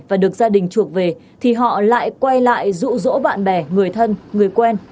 và được gia đình chuộc về thì họ lại quay lại dụ dỗ bạn bè người thân người quen